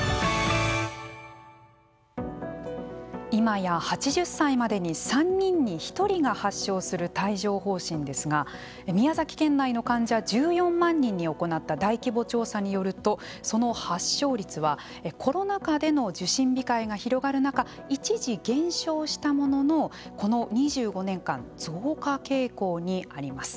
今や８０歳までに３人に１人が発症する帯状ほう疹ですが宮崎県内の患者１４万人に行った大規模調査によるとその発症率はコロナ禍での受診控えが広がる中一時減少したもののこの２５年間増加傾向にあります。